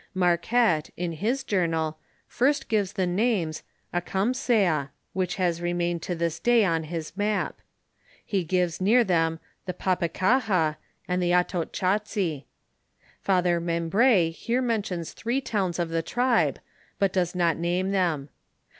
Marquette, in his journal, first gives tho name, "Akamsea," which has remained to tliis day on his map. lie gives near them tho Papikahn, ond Atotchasi. Father Menibr6 here mentions three towns of tlio tribe, but does not name them.